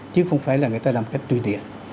chứ không phải là người ta làm cách tuy tiện